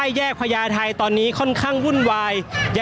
ก็น่าจะมีการเปิดทางให้รถพยาบาลเคลื่อนต่อไปนะครับ